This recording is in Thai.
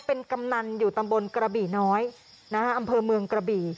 เป็นกำนันอยู่ตำบลกระบี่น้อยอำเภอเมืองกระบี่